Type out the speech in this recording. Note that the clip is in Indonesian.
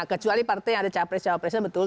nah kecuali partai yang ada capres cawapresnya betul